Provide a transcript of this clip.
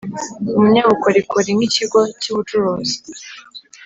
Umunyabukorikori nk ikigo cy ubucuruzi